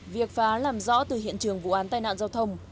việc phá làm rõ từ hiện trường vụ án tai nạn giao thông